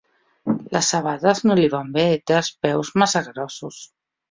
Les sabates no li van bé, té els peus massa grossos.